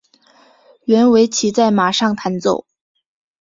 原为骑在马上弹奏。